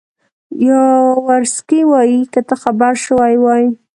یاورسکي وایي که ته خبر شوی وای.